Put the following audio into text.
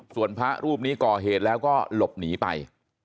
ส่วนพระรูปนี้ก่อเหตุแล้วก็หลบหนีไป